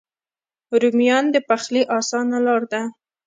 رومیان د پخلي آسانه لاره ده